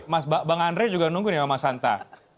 mas bang andre juga menunggu nih sama mas santa